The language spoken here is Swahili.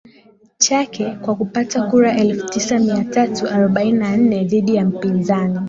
chake kwa kupata kura elfu tisa mia tatu arobaini na nne dhidi ya mpinzani